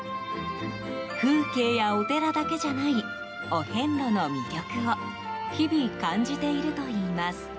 風景やお寺だけじゃないお遍路の魅力を日々、感じているといいます。